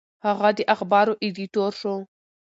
هغه د اخبار ایډیټور شو.